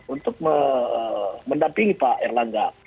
untuk mendampingi pak erlangga